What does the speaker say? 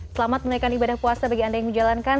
selamat menaikkan ibadah puasa bagi anda yang menjalankan